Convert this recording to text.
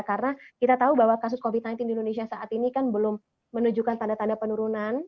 karena kita tahu bahwa kasus covid sembilan belas di indonesia saat ini kan belum menunjukkan tanda tanda penurunan